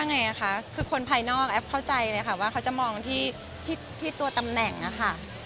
อันนี้อาจจะเป็นแบบ